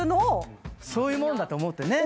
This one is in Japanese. そういうもんだと思ってね。